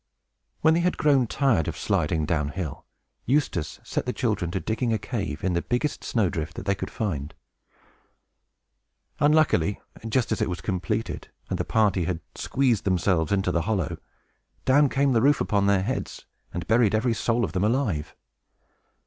When they had grown tired of sliding down hill, Eustace set the children to digging a cave in the biggest snow drift that they could find. Unluckily, just as it was completed, and the party had squeezed themselves into the hollow, down came the roof upon their heads, and buried every soul of them alive!